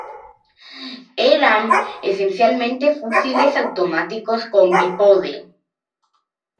Eran esencialmente fusiles automáticos con bípode.